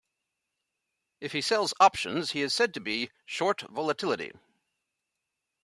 If he sells options, he is said to be "short volatility".